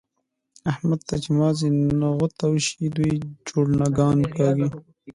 احمد ته چې مازي نغوته شوي؛ دی جوړنګان کاږي.